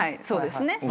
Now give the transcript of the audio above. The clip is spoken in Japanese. そうですね。